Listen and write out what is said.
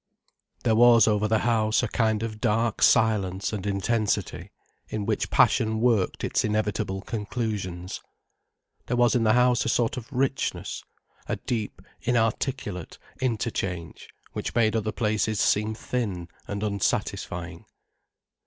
There was over the house a kind of dark silence and intensity, in which passion worked its inevitable conclusions. There was in the house a sort of richness, a deep, inarticulate interchange which made other places seem thin and unsatisfying.